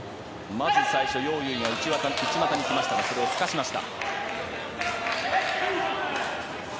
まず最初ヨウ・ユウイが内股に来ましたがそれをすかしました。